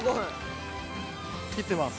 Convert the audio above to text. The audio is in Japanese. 切ってます。